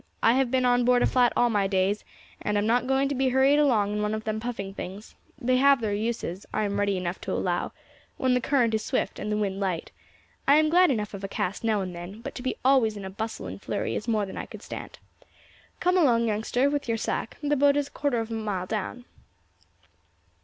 I have been on board a flat all my days, and am not going to be hurried along in one of them puffing things. They have their uses, I am ready enough to allow, when the current is swift and the wind light; I am glad enough of a cast now and then, but to be always in a bustle and flurry is more than I could stand. Come along, youngster, with your sack; the boat is a quarter of a mile down."